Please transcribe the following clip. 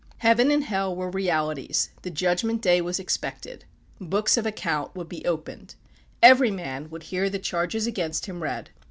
Heaven and hell were realities the judgment day was expected books of account would be opened. Every man would hear the charges against him read.